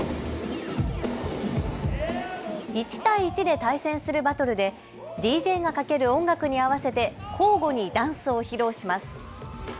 １対１で対戦するバトルでＤＪがかける音楽に合わせて交互にダンスを披露します。